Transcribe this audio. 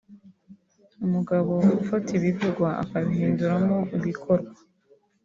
umugabo ufata ibivugwa akabihinduramo ibikorwa